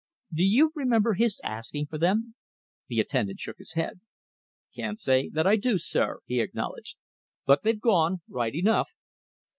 "Do you remember his asking for them?" The attendant shook his head. "Can't say that I do, sir," he acknowledged, "but they've gone right enough."